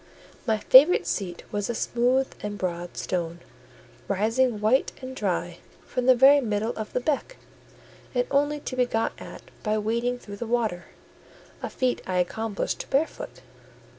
My favourite seat was a smooth and broad stone, rising white and dry from the very middle of the beck, and only to be got at by wading through the water; a feat I accomplished barefoot.